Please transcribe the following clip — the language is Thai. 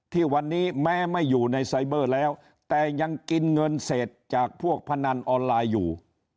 ที่วันนี้แม้ไม่อยู่ในไซเบอร์แล้วแต่ยังกินเงินเศษจากพวกพนันออนไลน์อยู่